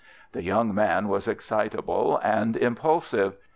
The young man was excitable and impulsive.